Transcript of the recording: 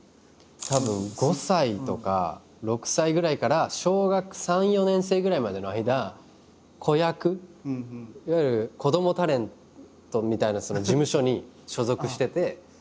たぶん５歳とか６歳ぐらいから小学３４年生ぐらいまでの間子役いわゆる子どもタレントみたいな事務所に所属してて。